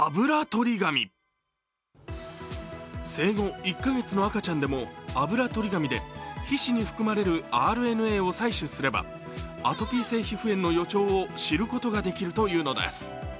生後１か月の赤ちゃんでもあぶらとり紙で皮脂に含まれるＲＮＡを採取すればアトピー性皮膚炎の予兆を知ることができるというのです。